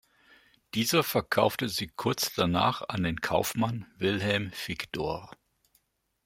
Dieser verkaufte sie kurz danach an den Kaufmann Wilhelm Figdor.